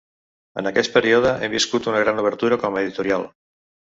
En aquest període, hem viscut una gran obertura com a editorial.